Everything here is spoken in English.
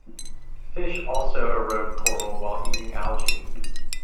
Fish also erode coral while eating algae.